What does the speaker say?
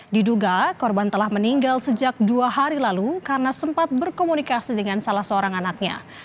diduga korban telah meninggal sejak dua hari lalu karena sempat berkomunikasi dengan salah seorang anaknya